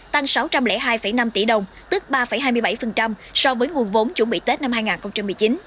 tăng sáu trăm linh hai năm tỷ đồng tức ba hai mươi bảy so với nguồn vốn chuẩn bị tết năm hai nghìn một mươi chín